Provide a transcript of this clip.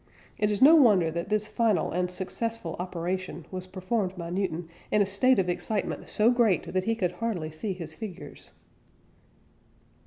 It is no wonder that this final and successful operation was performed by Newton "in a state of excitement so great that he could hardly see his figures."